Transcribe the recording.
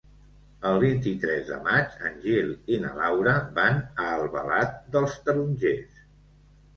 El vint-i-tres de maig en Gil i na Laura van a Albalat dels Tarongers.